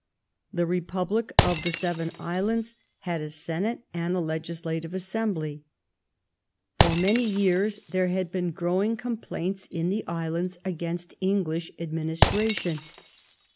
The Republic of the Seven Islands had a Senate THE IONIAN ISLANDS 201 and a Legislative Assembly. For many years there had been growing complaints in the islands against English administration.